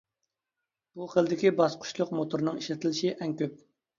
بۇ خىلدىكى باسقۇچلۇق موتورنىڭ ئىشلىتىلىشى ئەڭ كۆپ.